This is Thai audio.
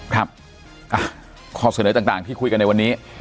ครับข้อเสนอต่างที่คุยกันในวันนี้